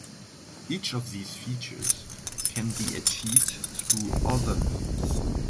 Each of these features can be achieved through other means.